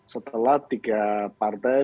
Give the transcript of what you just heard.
setelah tiga partai